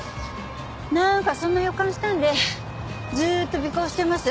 なんかそんな予感したんでずーっと尾行してます。